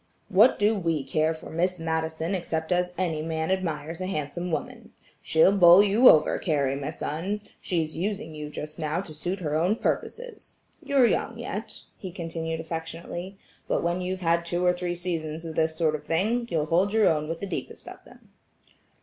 "What do we care for Miss Madison except as any man admires a handsome woman. She'll bowl you over, Carrie, my son; she's using you just now to suit her own purposes. You're young yet," he continued affectionately, "but when you've had two or three seasons of this sort of thing, you'll hold your own with the deepest of them."